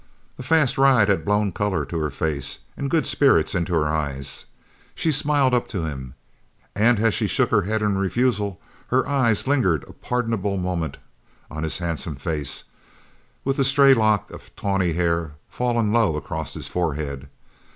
The fast ride had blown colour to her face and good spirits into her eyes. She smiled up to him, and as she shook her head in refusal her eyes lingered a pardonable moment on his handsome face, with the stray lock of tawny hair fallen low across his forehead.